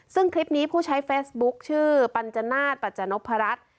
ซึ่งคลิปนี้ผู้ใช้เฟซบุ๊คชื่อปัญจนาฏปัจนพรัช